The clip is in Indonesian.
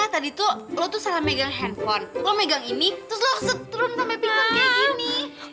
tadi tuh lo tuh salah megang handphone lo megang ini terus lo setrum sampai pipanya ini